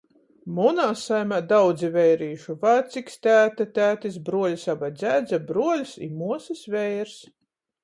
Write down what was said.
Munā saimē daudzi veirīšu – vaciks, tēte, tētis bruoļs aba dzjadze, bruoļs i muosys veirs.